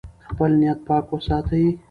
خپل نیت پاک وساتئ.